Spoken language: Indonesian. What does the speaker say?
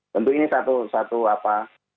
tentu ini satu apa